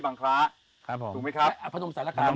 บางคล้าถูกไหมครับพนมสารคาม